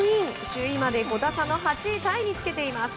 首位まで５打差の８位タイにつけています。